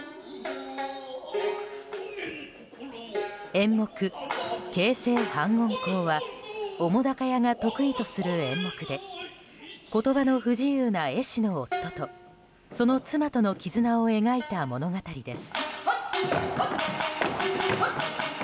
演目「傾城反魂香」は澤瀉屋が得意とする演目で言葉の不自由な絵師の夫とその妻との絆を描いた物語です。